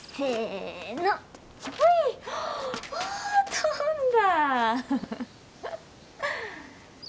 飛んだ！